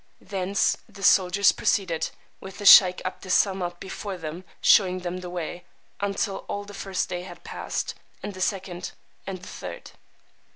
Thence ] The soldiers proceeded, with the sheykh 'Abd Es Samad before them showing them the way, until all the first day had passed, and the second, and the third.